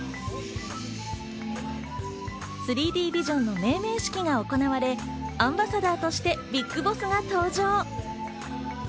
３Ｄビジョンの命名式が行われ、アンバサダーとしてＢＩＧＢＯＳＳが登場。